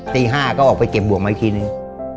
ตีห้าก็ออกไปเก็บบ่วงไว้ทีนึง